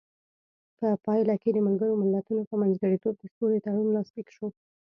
په پایله کې د ملګرو ملتونو په منځګړیتوب د سولې تړون لاسلیک شو.